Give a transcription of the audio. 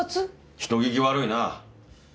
人聞き悪いなぁ。